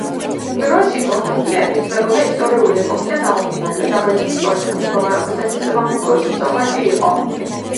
დროშის კონსტრუქციები იცვლებოდა ისტორიული ეპოქიდან გამომდინარე და საბერძნეთის პოლიტიკურ მდგომარეობასთან შესაბამისობაში იყო.